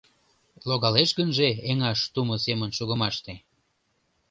Логалеш гынже эҥаш Тумо семын шогымаште